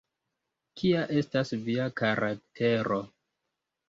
Kia estas via karaktero?